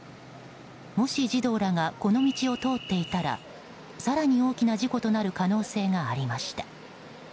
もし児童らがこの道を通っていたら更に大きな事故となる可能性がありました。